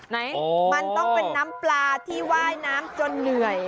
ไหนมันต้องเป็นน้ำปลาที่ว่ายน้ำจนเหนื่อย